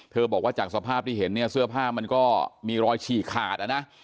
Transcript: บอกว่าจากสภาพที่เห็นเนี่ยเสื้อผ้ามันก็มีรอยฉีกขาดนะ